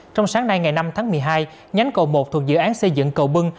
trong sáng nay ngày năm tháng một mươi hai nhánh cầu một thuộc dự án xây dựng cầu bưng